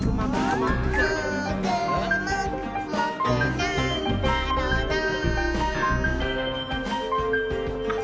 「もーくもくもくなんだろなぁ」